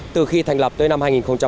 từ khi thành lập tới năm hai nghìn một mươi